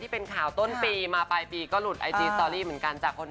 คือคู่กล้องมัดหายไว้ก่อนก็ไม่ถึงขนาดนั้น